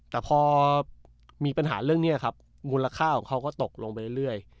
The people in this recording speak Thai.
แต่พอมีปัญหาเรื่องนี้ครับมูลค่าของเขาก็ตกลงไปเรื่อย